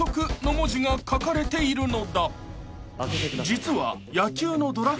［実は］